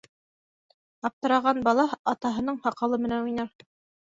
Аптыраған бала атаһының һаҡалы менән уйнар.